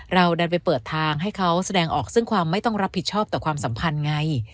เราดันไปเปิดทางให้เขาแสดงออกซึ่งความไม่ต้องรับผิดชอบต่อความสัมพันธ์ไง